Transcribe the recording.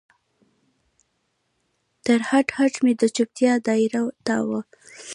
تر هډ، هډ مې د چوپتیا دا یره تاو وه